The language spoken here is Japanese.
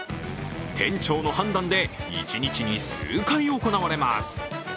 店長の判断で一日に数回行われます。